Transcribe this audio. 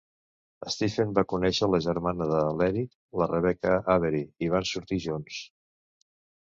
Stephen va conèixer la germana de l'Eric, la Rebecca Avery, i van sortir junts.